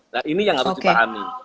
nah ini yang harus dipahami